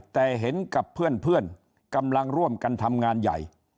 แต่เห็นกับเพื่อนกำลังร่วมกันทำงานใหญ่